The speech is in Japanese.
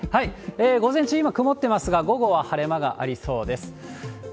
午前中、今曇ってますが、午後は晴れ間がありそうです。